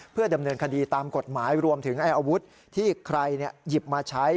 เพื่อดำเนินคดีตามกฎหมายรวมถึงอาวุธที่ใครหยิบมาใช้